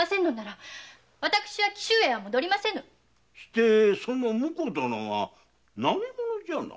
でその婿殿は何者じゃな？